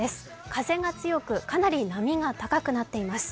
風が強くかなり波が高くなっています。